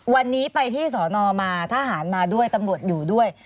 วันนี้ไปที่สอนอมาทหารมาด้วยตำรวจอยู่ด้วย